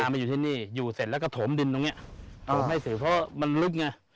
มาอยู่ที่นี่อยู่เสร็จแล้วก็โถมดินตรงนี้ไม่สิเพราะว่ามันลึกไง